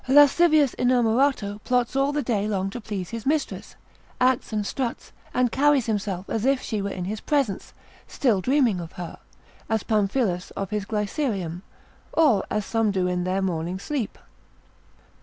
A lascivious inamorato plots all the day long to please his mistress, acts and struts, and carries himself as if she were in presence, still dreaming of her, as Pamphilus of his Glycerium, or as some do in their morning sleep.